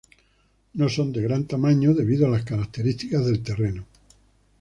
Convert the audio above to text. No son de gran tamaño debido a las características el terreno.